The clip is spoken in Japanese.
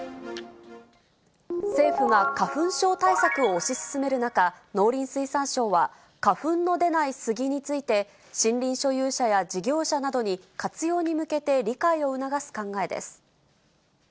政府が花粉症対策を推し進める中、農林水産省は、花粉の出ないスギについて、森林所有者や事業者などに、活用に向けて理解を促す考えです。